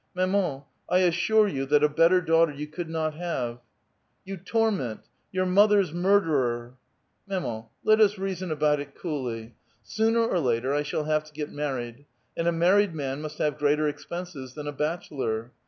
" Maman^ I assure yon that a better daughter you could not have." " You torment ! your mother's murderer !"" Mamauy let us reason about it coolly. Sooner or later I shall have to get married, and a married man must have greater expenses than a bachelor.